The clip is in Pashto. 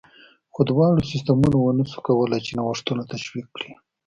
خو دواړو سیستمونو ونه شوای کولای چې نوښتونه تشویق کړي